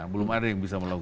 belum ada yang bisa melakukan